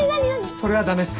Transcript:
それはダメっす。